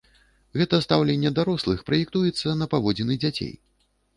Гэта стаўленне дарослых праектуецца на паводзіны дзяцей.